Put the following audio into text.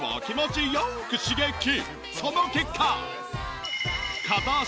その結果。